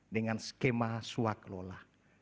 dengan skema swak lola